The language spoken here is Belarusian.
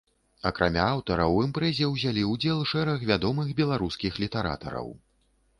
Акрамя аўтара ў імпрэзе ўзялі ўдзел шэраг вядомых беларускіх літаратараў.